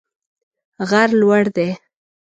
غر لوړ دی